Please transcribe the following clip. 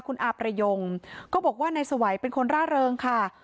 คุณอาประยงก็บอกว่านายสวัยเป็นคนร่าเริงค่ะ